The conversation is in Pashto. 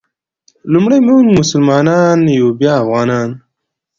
لومړی مونږ مسلمانان یو بیا افغانان.